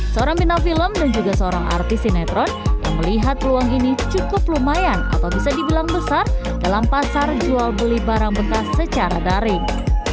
seorang bintang film dan juga seorang artis sinetron yang melihat peluang ini cukup lumayan atau bisa dibilang besar dalam pasar jual beli barang bekas secara daring